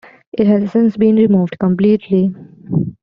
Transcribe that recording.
It has since been removed completely.